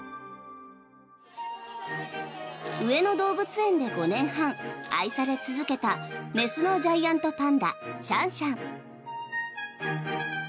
上野動物園で５年半愛され続けた雌のジャイアントパンダシャンシャン。